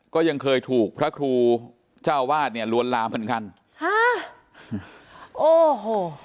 ก็ยังเคยถูกพระครูเจ้าวาดเนี่ยลวนลามเหมือนกันฮะโอ้โห